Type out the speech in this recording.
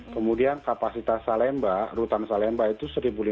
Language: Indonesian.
kemudian kapasitas salemba rutan salemba itu satu lima ratus